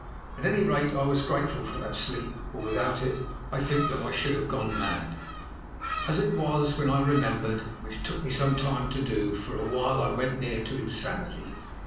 At any rate, I was grateful for that sleep, for without it I think that I should have gone mad. As it was, when I remembered, which it took me some time to do, for a while I went near to insanity.